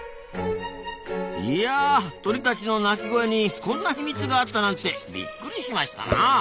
いや鳥たちの鳴き声にこんな秘密があったなんてびっくりしましたなあ。